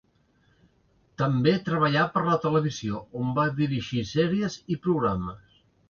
També treballà per a televisió, on va dirigir sèries i programes.